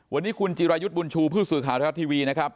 วันนี้คุณจิรายุทธ์บุญชูผู้สื่อข่าวไทยรัฐทีวีนะครับ